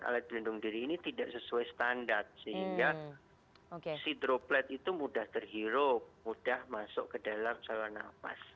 alat pelindung diri ini tidak sesuai standar sehingga si droplet itu mudah terhirup mudah masuk ke dalam saluran nafas